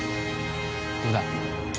どうだ？